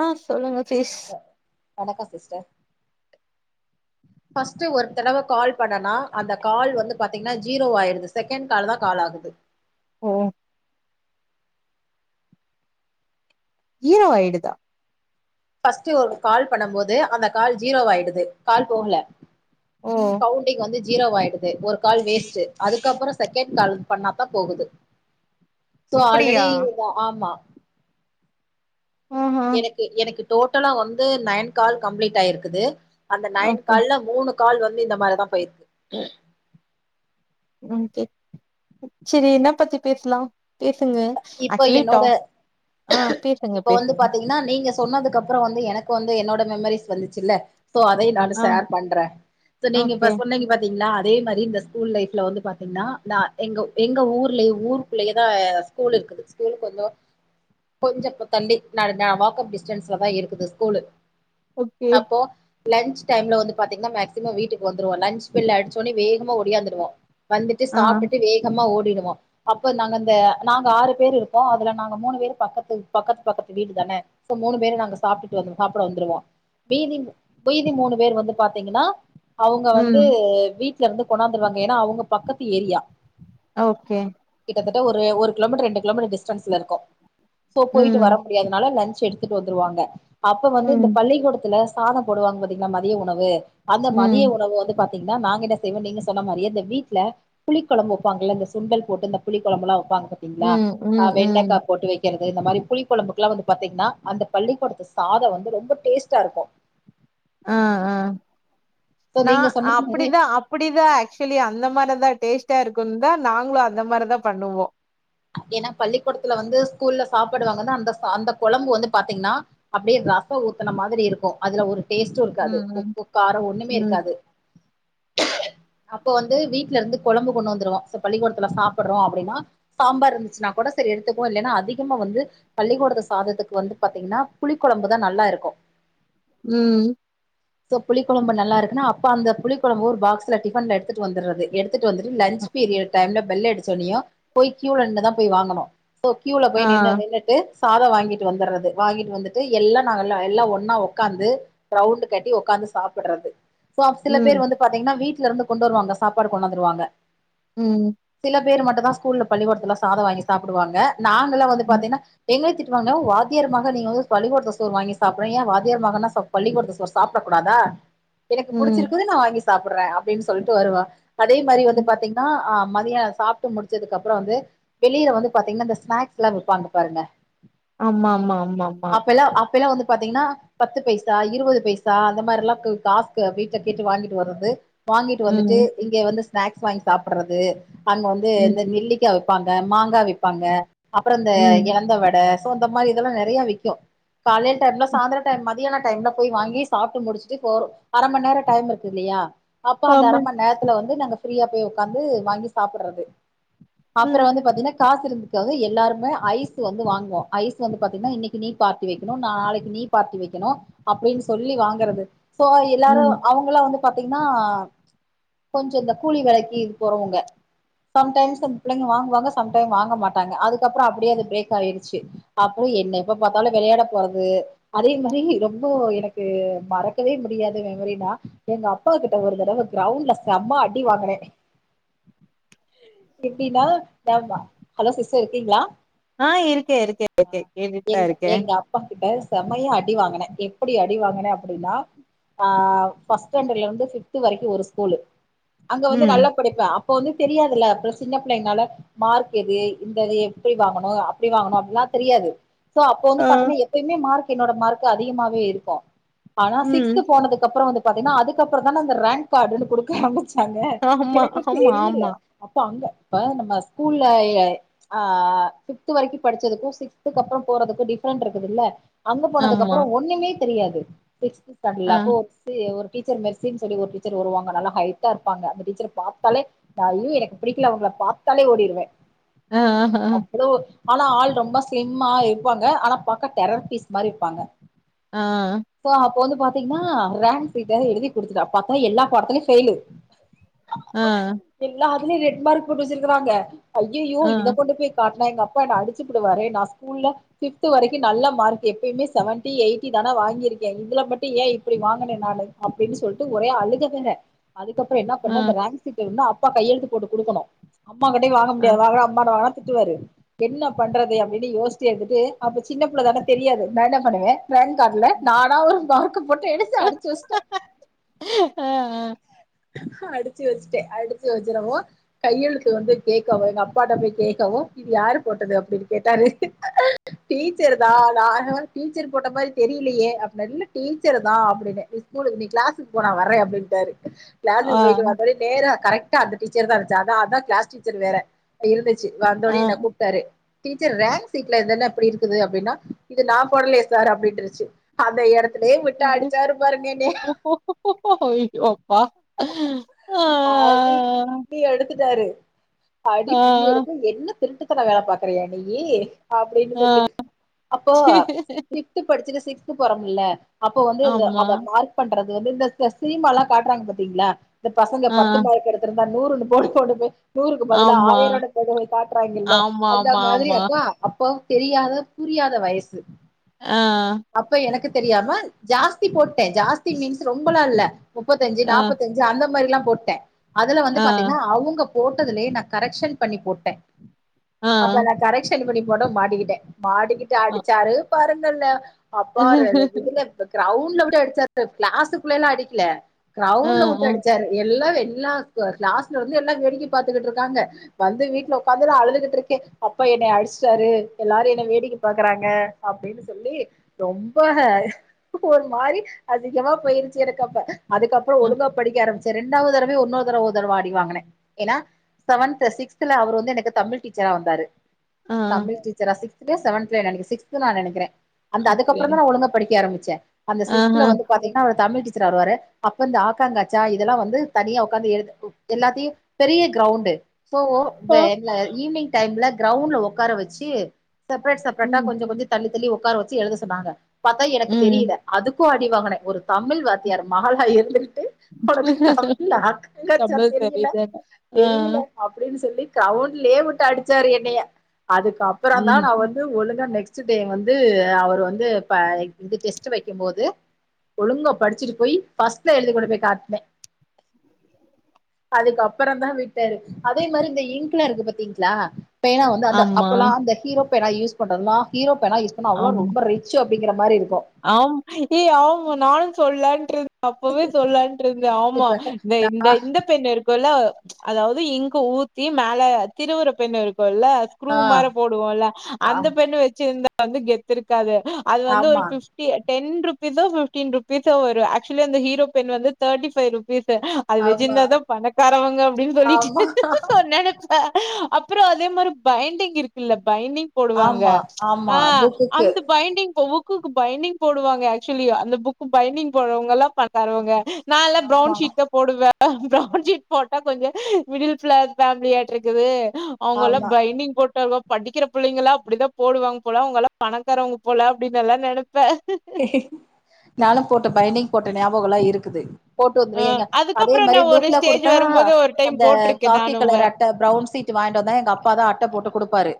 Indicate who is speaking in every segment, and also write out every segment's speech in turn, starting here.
Speaker 1: ஆஹ் சொல்லுங்க பீஸ்
Speaker 2: வணக்க sister first ஒரு தடவ கால் பண்ணனா அந்த கால் வந்து பாத்தீங்னா ஜீரோ ஆயிருது செகண்ட் கால் தா கால் ஆகு [unintelligible]
Speaker 1: ஓ ஜீரோ ஆயிடுதா
Speaker 2: ஃபஸ்ட் ஒரு கால் பண்ண போது அந்த கால் ஜீரோ ஆயிடுது கால் போகல
Speaker 1: ஓ
Speaker 2: கவுண்டிங் வந்து ஜீரோ ஆயிடுது ஒரு கால் வேஸ்டு அதுக்கப்பற செகண்ட் கால் பண்ணாதா போகுது சோ
Speaker 1: அப்படியா
Speaker 2: ஆல்ரெடி ஆமா
Speaker 1: ஆஹா
Speaker 2: எனக்கு எனக்கு டோட்டலா வந்து நைன் கால் கம்ப்ளீட் ஆயிருக்குது அந்த நைன்
Speaker 1: ஓகே
Speaker 2: கால்ல மூணு கால் வந்து இந்த மாரிதா போயிருக்கு
Speaker 1: ம் கே சேரி என்ன பத்தி பேசலா பேஸ் ங்க
Speaker 2: இப்ப
Speaker 1: ஆக்சுவலி டா
Speaker 2: என்னோட
Speaker 1: ஆ பேசுங்க
Speaker 2: இப்ப வந்து
Speaker 1: பேசுங்க
Speaker 2: பாத்தீங்னா நீங்க சொன்னதுக்கு அப்புற வந்து எனக்கு வந்து என்னோட மெமரிஸ் வந்துச்சுல்ல சோ அதை நானு
Speaker 1: ஆ
Speaker 2: ஷேர் பண்றே நீங்க
Speaker 1: ஓகே
Speaker 2: சொன்னீங்க பாத்தீங்களா அதே மாதிரி இந்த ஸ்கூல் லைஃப்ல வந்து பாத்தீங்னா நா எங்க எங்க ஊர்லய ஊருக்குள்ளயேதா ஸ்கூல் இருக்குது ஸ்கூலுகொஞ்சோ கொஞ்சம்ப்ப தள்ளி ந வாக்கப் டிஸ்டன்ஸ்லதா இருக்குது ஸ்கூலு
Speaker 1: ஓகே
Speaker 2: அப்போ லன்ச் டைம்ல வந்து பாத்தீங்னா மேக்சிமம் வீட்டுக்கு வந்துருவோ லன்ச் பெல் அடிச்சோனே வேகமா ஒடியாந்துடுவோ வந்துட்டு
Speaker 1: ஆ
Speaker 2: சாப்டுட்டு வேகமா ஓடிடுவோ அப்ப நாங்க அந்த நாங்க ஆறு பேர் இருக்கோ அதுல நாங்க மூணு பேரு பக்கத்து பக்கத்து பக்கத்து வீடு தானே சோ மூணு பேரு நாங்க சாப்டுட்டு சாப்பிட வந்துருவோ வீதி வீதி மூணு பேர் வந்து பாத்தீங்கனா அவுங்க வந்து
Speaker 1: ம்
Speaker 2: வீட்ல இருந்து கொண்ணாந்துறாங்க ஏனா அவுங்க பக்கத்து ஏரியா
Speaker 1: ஓகே
Speaker 2: ட்டதட்ட ஒரு ஒரு கிலோமீட்டர் ரெண்டு கிலோமீட்டர் டிஸ்டன்ஸ்ல இருக்கு சோ போயிட்டு
Speaker 1: ம்
Speaker 2: வர முடியாதுனால லஞ்ச் ச் எடுத்துட்டு வந்துருவாங்க அப்ப வந்து
Speaker 1: ம்
Speaker 2: இந்த பள்ளிக்கூடத்துல சாதம் போடுவாங்க பாத்தீங்கனா மதிய உணவு அந்த
Speaker 1: ம்
Speaker 2: மதிய உணவு வந்து பா திங்னா நாங்க என் செய்வோ நீங்க சொன்ன மாரியே இந்த வீட்ல புளி குழம்பு வப்பாங்ள இந்த சுண்டல் போட்டு இந்த புளிகொழம்புலா வப்பாங்க ங்களாஹ்
Speaker 1: ம்
Speaker 2: அ
Speaker 1: ம்
Speaker 2: வெண்டைக்கா
Speaker 1: ம்
Speaker 2: போட்டு வை றது இந்த மாரி புளி குழம்புக்குலா வந்து பாத்தீங்னா அந்த பள்ளிக்கூடத்து சாத வந்து ரொம்ப டேஸ்ட்டா இருக்கு
Speaker 1: ஆ ஆ
Speaker 2: சோ
Speaker 1: நா
Speaker 2: நீங்க சொன்ன மாரி
Speaker 1: அப்டிதா அப்டிதா ஆக்சுவலி அந்த மாரிதா டேஸ்ட் தா இருக்குந்தா நாங்ளு அந்த மாரிதா பண்ணுவோ
Speaker 2: ஏனா பள்ளிக்கூடத்துல வந்து ஸ்கூல்ல சாப்பிடுவாங்கன்னு அந்த அந்த குழம்பு வந்து பாத்தீங்னா அப்டே இரு ரசம் ஊத்துன மாதிரி இருக்கு அதுல ஒரு டேஸ்ட்டு இருக்காது
Speaker 1: ம்
Speaker 2: உப்பு காரம் ஒண்ணுமே
Speaker 1: ம்
Speaker 2: இருக்காது அப்ப வந்து வீட்ல இருந்து கொழம்பு கொண்டு வந்துருவோ சோ பள்ளிக்கூடத்துல சாப்டுறோ அப்டினா சாம்பார் இருந்துச்சுனா கோட சேரி எடுத்துக்குவோ இல்லேனா அதிகமா வந்து பள்ளிக்கூடத்து சாதத்துக்கு வந்து பாத்தீங்னா புளி கொழ் ம்புதா நல்லா இருக்கு
Speaker 1: ம்
Speaker 2: சோ புளி கொழம்பு நல்லா இருக்குனா அப்ப அந்த புளி கொழம்பு ஒரு பாக்ஸ்ல டிஃபன்ல எடுத்துட்டு வந்தறது எடு ட்டு வந்துட்டு லஞ்
Speaker 1: ம்
Speaker 2: பீரியட் டைம்ல பெல் அடுச்சோனியோ போய் க்யூல நிண்ணு தா போய் வாங்கணு சோ கியூல போயி
Speaker 1: ஆ
Speaker 2: நின்னு நின்னுட்டு சாதம் வாங்கிட்டு வந்துடுறது வாங்கிட்டு வந்துட்டு எல்லா நா எல்லா ஒன்னா ஒக்காந்து ரவுண்டு கட்டி ஒக்கா ந்து சாப்டுறது [unintelligible] சில
Speaker 1: ம்
Speaker 2: பேர் வந்து பாத்தீங்னா வீட்ல இருந்து கொண்டு வருவாங்க சாப்பாடு கொண்டாந்துருவாங்க
Speaker 1: ம்
Speaker 2: பேர் மட்டுதா ஸ்கூல்ல பள்ளிக்கூடத்தில சாதம் வாங்கி சாப்டுவாங்க நாங்களா வந்து
Speaker 1: ம்
Speaker 2: பாத்தீங்னா எங்கள திட் வாங்க வாத்தியாருமக நீங்க [unintelligible] பள்ளிகூடத்து சோற் வாங்கி சாப்டுறீங்க வாத்தியார் மகனா ச பள்ளிக்கூடத்து சோற் சாப்டக் கூடாதா எனக்கு
Speaker 1: ம்
Speaker 2: புடிச்சிருக்குது நா வாங்கி சாப்புற்ற அப்டின் சொல்ட்டு வருவா அதே மாதிரி வந்து
Speaker 1: ம்
Speaker 2: பாத்தீங்கன்னா அ மதியான சாப்ட்டு முடிச்சதுக்கு அப்புறோ வந்து வெளில வந்து பாத்தீங்கன்னா இந்த ஸ்நாக்ஸ்ல்லா விப்பாங்க பாருங்க
Speaker 1: ஆமா ஆமா ஆமா ஆமா
Speaker 2: இப்பயெல்லா வந்து பாத்தீங்ன்னா பத்து பைசா இருவது பைசா அந்த மாரில்லா காசு வீட்ல கேட்டு வாங்கிட்டு வர்ரது வாங்கிட்டு வந்துட்டு
Speaker 1: ம்
Speaker 2: இங்க வந்து ஸ்னேக்ஸ் வாங்கி சாப்புற்றது அங்க வந்து இந்த
Speaker 1: ம்
Speaker 2: நெல்லிக் க விப்பாங்க மாங்கா விப்பாங்க அப்புறோ இந்த
Speaker 1: ம்
Speaker 2: எலந்த வட சோ இந்த மாரி இதெல்லா நெறைய விக்கோ காலைல டைம்ல சாந்தர டைம் மத்தியான டைம்ல போய் வாங்கி சாப்டு முடிச்சிட்டு போறோ அர மண் நேரோ டைம் இருக்குல்லியா அப்ப அந்த அர
Speaker 1: ஆமா.
Speaker 2: மண் நேரத்துல வந்து நாங்க ஃப்ரீயா போய் உக்காந்து வாங்கி சாப்பட்றது அப்புறோ
Speaker 1: ம்
Speaker 2: வந்து பாத்தீன்னா காசு இருந்துக்காக எல்லாருமே ஐஸ்ஸு வந்து வாங்குவோ ஐஸ்ஸு வந்து பாத்தீங்கன்ன இன்னிக்கி நீ பார்ட்டி வெக்கணு நாளைக்கு நீ நீ பார்டி வெக்கணு அப்டின் சொல்லி வாங்கறது சோ எல்லாரு
Speaker 1: ம்.
Speaker 2: அவங்களா வந்து பாத்தீங்ன்னா கொஞ்சோ இந்த கூலி வேலைக்கி போறவுங்க சம்டைம்ஸ் வந் பிள்ளைங்க வாங்குவாங்க சம்டைம் வாங்க மாட்டாங்க அதுக்கப்புறோ அப்டியே அது பிரேக் ஆயிறுச்சி அப்புறோ என்ன எப்ப பாத்தாலு வேல் விளையாடபோறது அதே மாரி ரொம்ப எனக்கு மறக்கவே முடியாத மெமரினா எங் க அப்பா கிட்ட ஒரு தடவ கிரவுண்ட்ல செம அடி வாங்கனே எப்டின்னா தமா ஹலோ சிஸ்டர் இருக்கீங்களா
Speaker 1: ஆ இருக்கேன் இருக்கேன்
Speaker 2: அ
Speaker 1: இருக்கேன். கேட்டுட்டு தான்
Speaker 2: எங்
Speaker 1: இருக்கேன்.
Speaker 2: எங்க அப்பங்கிட்ட செமயா அடிவாங்கனே எப்டி அடிவாங்கனே அப்டின்னா ஆ ஃபஸ்ட்டேண்டர்ல்லருந்து ஃபிஃப்து வெரைக்கு ஒரு ஸ்கூலு அங்க வந்து
Speaker 1: ம்.
Speaker 2: நல்லா படிப்பே அப்ப வந்து தெரியாதுல்ல பிளஸ் சின்ன பிள்ளைனால மார்க் எது இந்த இது எப்டி வாங்கணு அப்டி வாங்கணு அப்ல்லா தெரியாது சோ அப்போ
Speaker 1: ஆ.
Speaker 2: வந்து பாத்தீங்கன்னா எப்பயுமே மார்க் என்னோட மார்க் அதிகமாவே இருக்கு ஆனா
Speaker 1: ம்.
Speaker 2: சிக்ஸ்த் போனதுக்கப்புறோ வந்து பாத்தீங்கன்னா அதுக்கப்புறோதா அந்த ரேங்க்காடுன்னு கொடுக்க ஆரம்பிச் சாங்க
Speaker 1: ஆமா
Speaker 2: எனக்கு
Speaker 1: ஆமா
Speaker 2: தெரியில
Speaker 1: ஆமா
Speaker 2: அப்போ அங்க இப்போ நம்ம ஸ்கூல்ல எ அ ஃபிஃப்து வொரைக்கு படிச்சதுக்கு சிக்ஸ்துக்கு அப்புறோ போறதுக்கு டி ஃப்ரெண்ட்ருக்குதுல்ல அங்க போனதுக்கு
Speaker 1: ஆமா.
Speaker 2: அப்புறோ ஒண்ணுமே தெரியாது ஃபிஃப்து
Speaker 1: ஆ.
Speaker 2: ஸ்டேண்டல்ல அப்போ சி ஒரு டீச்சர் மெர்சி சொல்லி ஒரு டீச்சர் வருவாங்க நல்லா ஹய்டாருப்பாங்க அந்த டீச்சர பாத்தாலே அல்லி எனக்கு பிடிக் இல்ல அவுங்கள பாத்தாலே ஓடிறுவே
Speaker 1: அ ஆஹா
Speaker 2: ஆனா ஆள் ரொம்ப ஸ்லிம்மா இருப்பாங்க ஆனா பாக்க டெரர் பீஸ் மாரி இருப்பாங்க
Speaker 1: ஆ
Speaker 2: பாத்தீங்ன்னா ரேங்க் சீட்‌ வேற எழுதி கொடுத்துட்டா பாத்தா எல்லா பாடத்திலு ஃபெயிலு
Speaker 1: அ
Speaker 2: உள்ளே ரெட்மார்க் போட்டு வெச்சிருக்குறாங்க ஐயெய்யோ இத கொண்டு போய் காட் இல்ல எங்க அப்பா அடிச்சிபுடுவாரே நா ஸ்கூல்ல ஃபிஃப்து வெரைக்கு நல்ல மார்க்கு எப்பயுமே செவன்டி எயிட்டி தான வாங்கியிருக்கே இதுல மட்டு ஏ இப்டி வாங்குனே நானு அப்டின் சொல்ட்டு ஒரே அழுக வேற அதுக்கப்புறோ என்னா
Speaker 1: ஆ.
Speaker 2: பண்ண அந்த ரேங்க் சீட்ட வந்து அப்பா கையெழத்து போட்டு குடுக்கனு அம்மா கிட்டயு வாங்க
Speaker 1: ஆ.
Speaker 2: முடியாது வாங்கனா அம்மான்ட வாங்கனா திட்டுவாரு என்ன பண்றது அப்டின்னு யோஸ்சி எடுத்துட்டு அப்ப சின்ன பிள்ளதான தெரியாது நா என்ன பண்ணுவே ரேங்காடுல நானா ஒரு மார்க்க போட்டு எடுத்து அடிச்சி வெஸ்ட்டே
Speaker 1: ஆ. ஆ.
Speaker 2: அடிச்சி வெச்சிட்டே அடிச்சி வெச்சிடவோ கையளுத்து வந்து கேட்கவு‌ எங்க அப்பாட்ட போய் கேட்கவு இது யாரு போட்டது அப்டின்னு கேட்டாரு டீச்சருதா நா டீச்சர் போட்ட மாரித் தெரியலியே அப்டின்னர் இல்ல டீச்சரு தா அப்படின்னே நீ ஸ்கூலுக்கு நீ கிளாசுக்கு போ நா வரே அப்டின்டாரு கிளாசுக்கு போயிட்டு வந்தோனே நேரா கரெக்ட்டா அந்த டீச்சரு‌ தா இருந்ச்சா அத அதா கிளாஸ் டீச்சரு வேற‌ இருந்துச் சா
Speaker 1: ஆ. ஆ.
Speaker 2: வந்தோடனே என்ன கூப்டாரு டீச்சர் ரேங் சீட்லதான அப்டி இருக்குத அப்டின்னா இது நா போடலையே சார் அப்டின்ருச்சி அந்த எடத் அப்லே
Speaker 1: ஆ.
Speaker 2: விட்டா அடிச்சாரு பாருங்கன்ன என்னைய
Speaker 1: ஐயோ அப்பா! ஆ.
Speaker 2: அடி பின்னி எடுத் துட்டாரு அடி
Speaker 1: ஆ.
Speaker 2: பின்னி எடுத்து என்ன திருட்டுத்தன வேல பாக்குறியா நீயி அப்டின்னு சொல்லி அப்போ ஃபிஃப்து படிச்சிட்டு சிக்ஸ்த்து போறம் ல அப்போ வந்து
Speaker 1: ஆமா.
Speaker 2: அத மார்க் பண்றது வந்து, இந்த ச சினிமா எல்லா காட்டுறாங்க பாத்தீங்களா இந்த பசங்க பத்து
Speaker 1: ஆ.
Speaker 2: மார்க்கு எடுத்தத்துருந்தா நூறுன்னு போட்டு போட்றது நூறுக்கு பதிலா
Speaker 1: ஆமா.
Speaker 2: ஆயிரோனு கொண்டு வந்து காட்டுறாங்கல்ல
Speaker 1: ஆமா,
Speaker 2: அந்த
Speaker 1: ஆமா,
Speaker 2: மாதிரி
Speaker 1: ஆமா.
Speaker 2: அக்கா அப்போ தெரியாத புரியாத வயசு
Speaker 1: ஆ,
Speaker 2: அப்ப எனக்கு தெரியாம ஜாஸ்தி போட்டே ஜாஸ்தி மீன்ஸ் ரொம்பலா இல்ல முப்பத்தஞ்சு
Speaker 1: ஆ,
Speaker 2: நாப் அந்த மாரில்லா போட்டே அதுல வந்து
Speaker 1: ஆ,
Speaker 2: பாத்தீன்னா அவங்க போட்டதுலயே நா கரெக்ஷன் பண்ணி போட்டே
Speaker 1: ஆ,
Speaker 2: அப்ப நா கரெக்ஷன் பண்ணி போன மாடிக்கிட்டே மாடிக்கிட்டு
Speaker 1: அ.
Speaker 2: அடிச்சாரு பாருங்கள்ல அப்பா ரெண்டு குடுங்கட்டு கிரவுண்ட்ல விட்டு அடிச்சாரு கிளாஸுக்குள்ள எல்லா அடிக்கில கிரவுண்
Speaker 1: ஆ,
Speaker 2: ட்லவிட்டு
Speaker 1: ஆ,
Speaker 2: அடிச்சாரு எல்லா வெ எல்லா ச கிளாஸ்ல இருந்து எல்லா வேடிக்கி பாத்துட்டு இருக்காங்க வந்து வீட்டுல உக்காந்து நா அழுதுகுட்டுருக்கே அப்ப என்னைய அடிச்ட்டாரு எல்லாரு என்ன வேடிக்க பாக்குறாங்க அப்டின்னு சொல்லி ரொம்ப ஒரு மாரி அசிங்கமா போயிருச்சு எனக்கப்ப அதுக்கப்புறோ
Speaker 1: அ,
Speaker 2: ஒழுங்கா படிக்க ஆரம்பிச்ச ரெண்டாவது தடவயு ஒன்னோரு தடவ ஒரு தடவ அடிவாங்குன்னே ஏன்னா செவன்த் சிக்ஸ்தல அவர் வந்து எனக்கு தமிழ் டீச்சரா வந்தாரு
Speaker 1: ஆ.
Speaker 2: தமிழ் டீச்சரா சிக்ச்துலயோ செவன்த்லயோ நனக்கே சிக்ஸ்து நா நெனைக்கிறே அந்த
Speaker 1: ஓகே.
Speaker 2: அதுக்கப்புறோ தா நா ஒழுங்க படிக்க ஆரம்பிச்சே அந்த
Speaker 1: ஆஹ.
Speaker 2: சிக்ஸ்துல வந்து பாத்தீங்கன்னா தமிழ் டீச்சரா வருவாரு அப்ப இந்த ஆக்காங்கா ச்சா இதெல்லா வந்து தனியா உக்காந்து எழுது எல்லாத்தையு பெரிய கிரவுண்டு சோ த
Speaker 1: அ.
Speaker 2: த ஈவினிங் டைம்ல கிரவுண்ட்ல ஒக்கார வெச்சு செப்ரேட் செப்ரேட்டா
Speaker 1: ம்,
Speaker 2: கொஞ்ச கொஞ்ச தள்ளி தள்ளி ஒக்கார வெச்சு எழுத சொன்னாங்க பாத்தா எனக்கு
Speaker 1: ம்.
Speaker 2: தெரியில அதுக் கு அடி வாங்குனே ஒரு தமிழ் வாத்தியார் மகளா இருந்துகுட்டு உனக்கு தமிழ் ஆகாங்கச்சா
Speaker 1: தமிழ்
Speaker 2: தெரியல
Speaker 1: தெரியுதுன்னு. ஆ.
Speaker 2: தெரியல அப்டின்னு சொல்லி கிரவுண்ட்லயே விட்டு அடிச்சாரு என்னைய அதுக்கு அப்புறோ தா நா
Speaker 1: ம்.
Speaker 2: வந்து ஒழுங்கா நெக்ஸ் ஸு டே வந்து அவரு வந்து பா இந்த டெஸ்ட்டு வைக்கும் போது ஒழுங்கா படிச்சுட்டு போய் ஃபஸ்ட்ல எழுதிக் கொண்டு போய் காட்டுனே அதுக்கு அப்புற தா விட்டாரு அதே மாரி இந்த இங்க்ல இருக்கு பாத்தீங்ளா பேனா வந்து அந்த
Speaker 1: ஆமா,
Speaker 2: அப்பல்லா அந்த ஹிரோ பேனா யூஸ் பண்றவங்களா ஹீரோ பேனா யூஸ் பண்ணா அவளா
Speaker 1: ஆமா.
Speaker 2: ரொம்ப ரிச்சு அப் குங்குற மாரி இருக்
Speaker 1: ஆம் ஏ ஆமா நானு சொல்லான்ட்ருந்த அப்பவே சொல்லான் ட்ருந்தே ஆமா
Speaker 2: இப்ப
Speaker 1: இந்த இந்த இந்த பெண் இருக்குல்ல அதாவது இங்க ஊத்தி மேல திருவுர பெண்ணு இரு குல்ல ஸ்க்ரூ மாரி
Speaker 2: ஆ
Speaker 1: போடுவோல்ல அந்த பெண்ணு வெச்சிருந்தா வந்து கெத்து இருக்காது அது வந்து ஒரு
Speaker 2: ஆமா
Speaker 1: ஃபிஃப் டி டென் ருபீசோ ஃபிஃப்டீன் ரூபீசோ வரு ஆக்சுவலி அந்த ஹீரோ பென் வந்து தேர்டி ஃபைரு பீஸு அது
Speaker 2: ஆமா
Speaker 1: வெசிருந்தாதா பணக்காரவங்க அப்டின்னு
Speaker 2: ஆமா
Speaker 1: சொல்லிட்டு சொன்னே வெச்சுக்கொ அப்புறோ அதே மாரி பைண்டிங் இருக்குல்ல பைண்டிங் போடுவாங்க
Speaker 2: ஆமா ஆமா
Speaker 1: ஆ
Speaker 2: புக்குக்கு
Speaker 1: அந்த பைண்டிங் போ உக்குக்கு பைண்டிங் போடுவாங்க ஆக்சுவலி அந்த புக்கு பைண்டிங் போடுறவங்கல்லா பணக்காரவங்க நா எல்லா பிரவுன்
Speaker 2: ஆமா
Speaker 1: ஷீட் தா போடுவே ப்ரவுன் ஷீட் போட்டா கொஞ்ச மிடில் கிளாஸ் ஃபேமிலி ஆட்ருக்குது அவங்க எல்லா பைண்டிங் போட்டாலோ படிக்கிற பிள்ளைங்கள்லா அப்டிதா போடுவாங்க போல அவங்கல்லா பணக்காரவங்க போல அப்டின்னு எல்லா நெனப்
Speaker 2: நானு போட்ட பைண்டிங் போட்ட ஞாபகொல்லா இருக்குது போட்டு
Speaker 1: அ
Speaker 2: வந்திருக்கீங்க அதே
Speaker 1: அதுக்கப்றோ நா
Speaker 2: மாரி
Speaker 1: ஒரு
Speaker 2: புக்ல
Speaker 1: ஸ்டேஜ்
Speaker 2: கொடுத்தா
Speaker 1: வரும்போது ஒரு டைம்
Speaker 2: அந்த
Speaker 1: போட்ருக்கே
Speaker 2: காக்கி
Speaker 1: நானுமே
Speaker 2: கலர் அட்ட ப்ரவுன் ஷீட் வ வாங்கிட்டு வந்தா எங்க அப்பா தா அட்ட போட்டு கொடுப்பாரு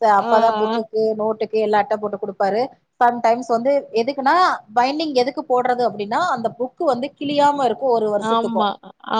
Speaker 2: சோ
Speaker 1: ஆ
Speaker 2: அப்ப தா புக்குக்கு நோட்டுக்கு எல்லா அட்ட போட்டு கொடுப்பாரு சம் டைம்ஸ் வந்து எதுக்குன்னா பைண்டிங் எதுக்கு போட்றது அப்டின்னா அந்த புக்கு வந்து கிளியாம இருக் கு ஒரு வருஷத்துக்கு
Speaker 1: ஆமா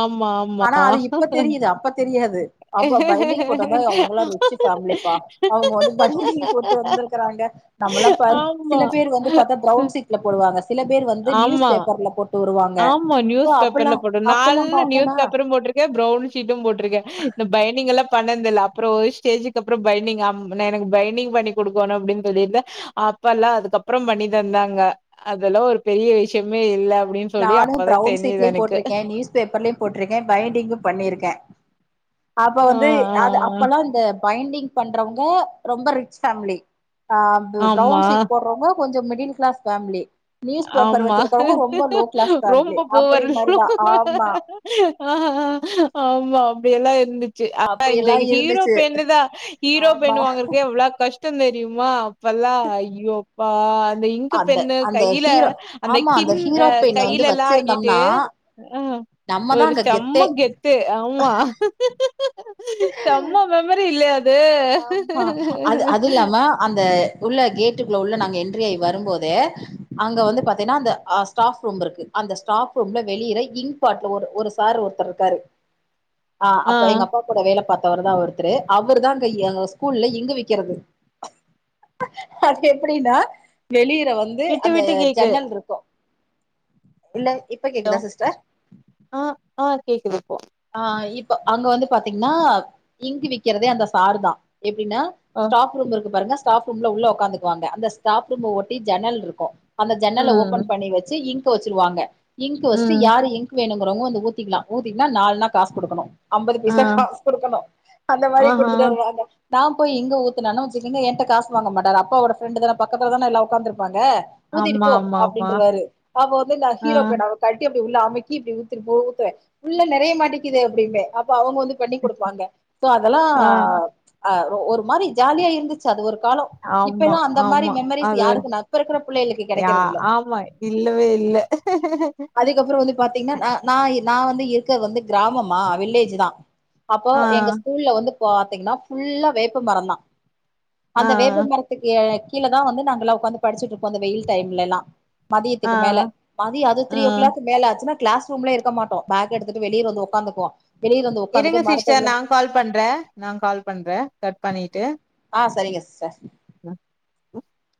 Speaker 1: ஆமா
Speaker 2: ஆனா அது இப்ப
Speaker 1: ஆமா
Speaker 2: தெரியுது அப்ப தெரியா து அப்ப பைண்டிங் போட்ட தா அவங்கள்லா ரிச்சு ஃபேம்லிபா அவங்க வந்து பைண்டிங் போட்டு வந்திருக்காங் க நம்மளா பா
Speaker 1: ஆமா.
Speaker 2: சில பேர் வந்து பத்தா பிரவுன் சீட்ல போடுவாங்க சில பேர் வந்து நியூஸ்
Speaker 1: ஆமா.
Speaker 2: பேப்பர்ல போட்டு வருவாங்க
Speaker 1: ஆமா
Speaker 2: சோ
Speaker 1: நியூஸ்
Speaker 2: அப்பல்லா
Speaker 1: பேப்பர்ல போடும்
Speaker 2: அப்பல்லா
Speaker 1: நாலு நியூஸ்
Speaker 2: பாத்தோனா
Speaker 1: பேப்பரும் போட்டிருக்கே பிரவுன் ஷீட்டும் போட்டிருக்கே பைண்டிங்களா பண்ணந்தில்ல அப்புறம் ஒரு ஸ்டேஜக்கு அப்புறம் பண்டிங் எனக்கு பைண்டிங் பண்ணி கொடுக்கணும் அப்படின்னு சொல்லிட்டு அப் அப்பல்லாம் அதுக்கப்புறம் பண்ணி தந்தாங்க அதெல்லா ஒரு பெரிய விஷயமே இல்ல அப்படின்னு சொல்லி
Speaker 2: நானும்
Speaker 1: அப்பதான்
Speaker 2: பிரவுன்
Speaker 1: தெரிஞ்சது
Speaker 2: ஷீட்லயும்
Speaker 1: எனக்கு.
Speaker 2: போட்டிருக்கே நியூஸ் பேப்பர்லயும் போட்டிருக்கே பைண்டிங்கும் பண்ணியிருக்கே அப்ப
Speaker 1: ஆ,
Speaker 2: வந்து
Speaker 1: ஆ,
Speaker 2: அது
Speaker 1: ஆ.
Speaker 2: அப்பல்லாம் இந்த பைண்டிங் பண்றவங்க ரொம்ப ரிச் பேமிலி ஆ பிரவுன்
Speaker 1: ஆமா.
Speaker 2: சீட் போடுறவங்க கொஞ்சம் middle class family news paper
Speaker 1: ஆமா.
Speaker 2: வச்சிருக்கவங்க ரொம்ப லோ கிளாஸ் ஃபேமிலி
Speaker 1: ரொம்ப
Speaker 2: அப்படி
Speaker 1: பொர்
Speaker 2: மாரிதா ஆமா
Speaker 1: ஆமா அப்படிய எல்லா இருந்துச்சு அத இந்த
Speaker 2: அப்படியெல்லா
Speaker 1: ஹீரோ
Speaker 2: இருந்துச்சு
Speaker 1: பெண்ணு தா ஹீரோ
Speaker 2: ஆமா
Speaker 1: பெண்னு வாங்கறக்கு எவ்வளவு கஷ் தெரியுமா அப்பல்லா ஐயோப்பா அந்த இங்கு
Speaker 2: அந்த
Speaker 1: பெண்ணு
Speaker 2: அந்த
Speaker 1: கையில
Speaker 2: ஹீரோ
Speaker 1: அந்த
Speaker 2: ஆமா
Speaker 1: கிண்
Speaker 2: ஹீரோ பெண்ண
Speaker 1: கையில
Speaker 2: வந்து
Speaker 1: எல்லா ஆக்கிட்டு
Speaker 2: வச்சிருந்தோம்னா
Speaker 1: அ
Speaker 2: நம்மதா
Speaker 1: ஒரு
Speaker 2: அங்க
Speaker 1: செம்ம
Speaker 2: கெத்தே
Speaker 1: கெத்து ஆமா செம்ம மெமரி இல்லலைய அ
Speaker 2: அது அது இல்லாம அந்த உள்ள கேட்டு உள்ள நாங்க என்ட்ரி ஆகி வரும்போதெ அங்க வந்து பாத்தீங்கன்னா அந்த ஸ்டாப் ரூம் இருக்கு அந்த ஸ்டாப் ரூம் வெளியற இங் பாட்ல ஒரு ஒரு சார் ஒருத்தர் இருக்காரு ஆஹ்
Speaker 1: ஆ.
Speaker 2: அப்ப எங்க அப்பா கூட வேலை பார்த்தவர் தான் ஒருத்தரு அவர் தா அய்யோ ஸ்கூல்ல இங்க் விக்கிறது அது எப்படின்னா வெளிய வந்து
Speaker 1: விட்டு
Speaker 2: அந்த
Speaker 1: விட்டு கேக்குது.
Speaker 2: ஜன்னல் இருக்கு இல்ல இப்ப
Speaker 1: ஹலோ
Speaker 2: கேக்குதா சிஸ்டர்
Speaker 1: ஆ ஆ கேக்குது இப்போ
Speaker 2: ஆ இப்போ அங்க வந்து பாத்தீங்கன்னா இங்கு விக்கிறதே அந்த சாறு தா எப்படின்னா
Speaker 1: அ.
Speaker 2: ஸ்டாப் ரூம் இருக்கு பாருங்க ஸ்டாப் ரூம்ல உள்ள உட்காந்துக்குவாங்க அந்த ஸாப் ரூம் ஒட்டி ஜனல் இருக்கு அந்த ஜன்னல்ல
Speaker 1: ம்.
Speaker 2: ஓபன் பண்ணி வச்சு இங்க் வச்சுருவாங்க இங்க் வச்சு
Speaker 1: ம்.
Speaker 2: யரு இங்க் வேணு இங்க் வந்து ஊத்திக்கலா ஊத்திக்கா நாலநா காசுடுக்கணும் ஐம்பது
Speaker 1: ஆ
Speaker 2: பீசா காசு குடுக்கணும் அந்த மாரி
Speaker 1: ஆஹா
Speaker 2: குடுத்துட்டு வருவாங்க நான் போய் இங்க் ஊத்துனாலும் காச வாங்க மாட்டார் அப்பாவ ஒடா பிரண்ட் தான பக்கத்துன எல்ல உக்கா அங்க ஊதிட்டு
Speaker 1: ஆமா
Speaker 2: போ
Speaker 1: ஆமா ஆமா
Speaker 2: அப்படின்றவாரு அவ வந்து நான்
Speaker 1: ஆ
Speaker 2: ஹீரோ பேனவ கட்ட உள்ள அமைக்க இப்படி ஊ ஊத்துவேன் உள்ள நிறைய மாட்டேக்குது அப்படிபே அப்போ அவங்க வந்து பண்ணி கொடுப்பாங்க
Speaker 1: ஆ
Speaker 2: அதெல்லாம ஒரு மாரி ஜாலியா இருந்து அது ஒரு காலம்
Speaker 1: ஆமா
Speaker 2: இப்பல்லாம அந்த மாரி
Speaker 1: ஆமா
Speaker 2: மெமரிஸ்
Speaker 1: அது ஒரு
Speaker 2: யாருக்கு நப்ப இருக்கிற பிள்ளைகளுக்கு
Speaker 1: யா
Speaker 2: கிடைக்கிறதுல்ல
Speaker 1: ஆமா இல்லவே இல்ல
Speaker 2: அதுக்கப்புறம் வந்து பாத்தீங்கன்னா ந நான் நான் வந்து இருக்கிறது வந்து கிராமமா வில்லேஜ் தான் அப்போ
Speaker 1: ஆ
Speaker 2: எங்க ஸ்கூல்ல வந்து பாத்தீங்கன்னா புல்லா வேப்பு மரம் தான்
Speaker 1: ஆ
Speaker 2: அந்த வேப்பு மரத்துக்கு கீழ தான் வந்து நாங்கல்லா உட்காந்து படிச்சுட்டுயிப்போ அந்த வெயில் டைம்ல எல்லா
Speaker 1: ஆ
Speaker 2: மதியத்துக்கு மேல மதியம் அது த்ரீ ஓ
Speaker 1: ம்
Speaker 2: கிள் மேல ஆச்சுன்னா கிளாஸ் ரூம்ல இருக்க மாட்டோ பேக் எடுத்துட்டு வெளியே வந்தோ உகாந்துக்குவோ
Speaker 1: இருங்க சிஸ்டர் நான் கால் பண்றே நான் கால் பண்றேன் கட் பண்ணிட்டு ஆ
Speaker 2: [unintelligible]